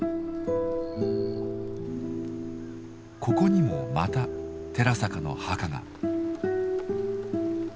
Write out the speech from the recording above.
ここにもまた寺坂の墓が。